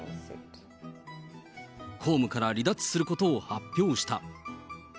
公務から離脱することを発表した。